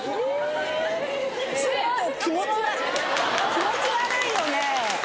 気持ち悪いよね！